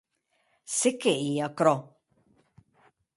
Se qué ei aquerò?